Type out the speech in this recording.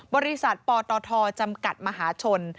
บริษัทปตทจำกัดมหาชน